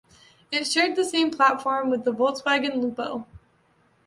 It shared the same platform with the Volkswagen Lupo.